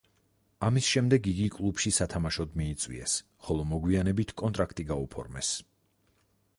ამის შემდეგ, იგი კლუბში სათამაშოდ მიიწვიეს, ხოლო მოგვიანებით კონტრაქტი გაუფორმეს.